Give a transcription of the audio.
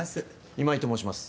今井と申します。